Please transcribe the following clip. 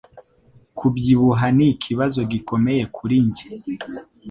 Kubyibuha nikibazo gikomeye kuri njye